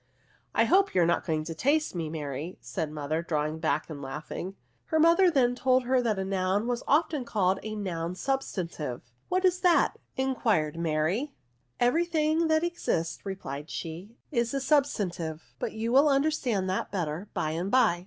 '' I hope you are not going to taste me, Mary," said her mother, drawing back, and laughing. Her mother then told her that a noim was often called a noun substantive. NOUNS, 13 " What IS that? " enquired Mary. " Every thing that exists," replied she, " is a substantive ; but you will understand that better by and by."